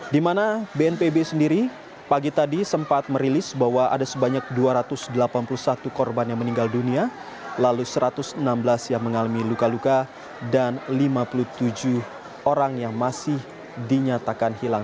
di mana bnpb sendiri pagi tadi sempat merilis bahwa ada sebanyak dua ratus delapan puluh satu korban yang meninggal dunia lalu satu ratus enam belas yang mengalami luka luka dan lima puluh tujuh orang yang masih dinyatakan hilang